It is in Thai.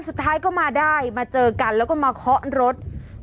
สุดท้ายก็มาได้มาเจอกันแล้วก็มาเคาะรถ